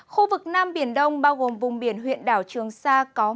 khu vực nam biển đông bao gồm vùng biển huyện đảo trường sa